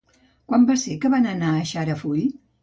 Quan va ser que vam anar a Xarafull?